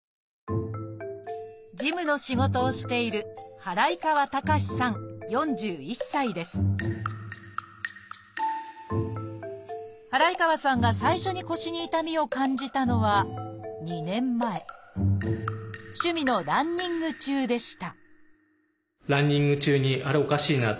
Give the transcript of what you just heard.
事務の仕事をしている祓川さんが最初に腰に痛みを感じたのは趣味のランニング中でした